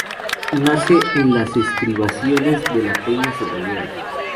Nace en las estribaciones de la peña Cebollera.